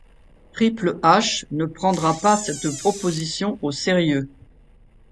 Triple H ne prendra pas cette proposition au sérieux.